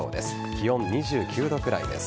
気温、２９度くらいです。